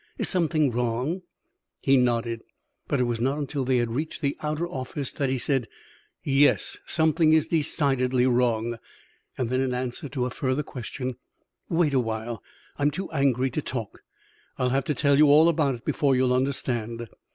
Is something wrong?" He nodded, but it was not until they had reached the outer office that he said: "Yes, something is decidedly wrong." Then, in answer to her further question: "Wait a while; I'm too angry to talk. I'll have to tell you all about it before you'll understand."